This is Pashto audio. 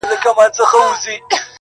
زه الله تعالی ته صبر کوم.